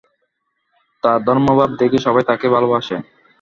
তার ধর্মভাব দেখেই সবাই তাকে ভালবাসে।